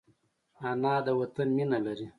انا د وطن مینه لري